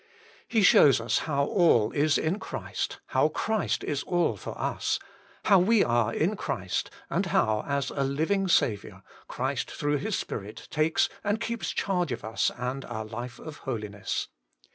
He shows us how all is in Christ ; how Christ is all for us ; how we are in Christ ; and how, as a living Saviour, Christ through His Spirit takes and keeps charge of us and our life of holiness.